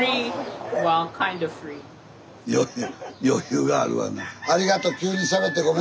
余裕があるわな。